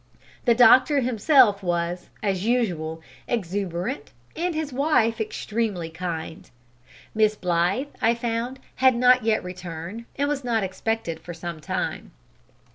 The doctor himself was, as usual, exuberant, and his wife extremely kind. Miss Blythe, I found, had not yet returned, and was not expected for some time.